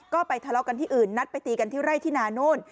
ก็ไปทะเลาะกันที่อื่นนัดไปตีกันที่ไร่ที่นาโน่น